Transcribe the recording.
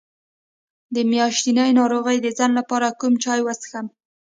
د میاشتنۍ ناروغۍ د ځنډ لپاره کوم چای وڅښم؟